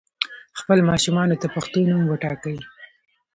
خپل ماشومانو ته پښتو نوم وټاکئ